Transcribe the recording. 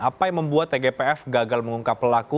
apa yang membuat tgpf gagal mengungkap pelaku